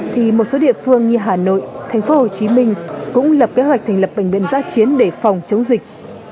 thì một số địa phương như hà nội thành phố hồ chí minh cũng lập kế hoạch thành lập bệnh viện giá chiến để phòng chống dịch